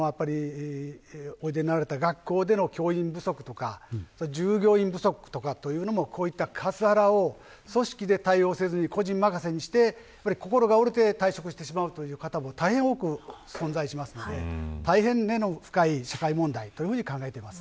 学校での教員不足とか従業員不足とかいうのもこういったカスハラを組織で対応せずに個人任せにして心が折れて退職してしまうという方も大変多く存在しますので大変根の深い社会問題